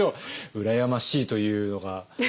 羨ましいというのが。